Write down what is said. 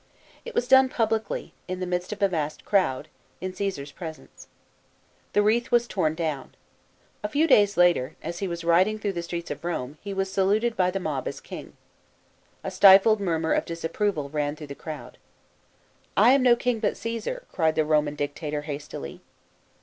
It was done publicly, in the midst of a vast crowd, in (Caesar's presence. The wreath was torn down. A few days later, as he was riding through the streets of Rome, he was saluted by B.C. 44.] QUESTION OF KINGSHIP. 191 the mob as " king." A stifled murmur of dis approval ran through the crowd. " I am no king, but Caesar," cried the Homan Dictator hastily.